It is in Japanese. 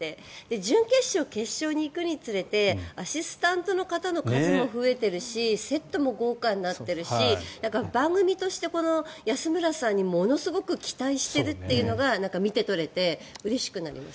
準決勝、決勝に行くにつれてアシスタントの数も増えているしセットも豪華になっているし番組としてこの安村さんに、ものすごく期待しているっていうのが見て取れてうれしくなります。